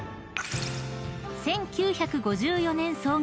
［１９５４年創業］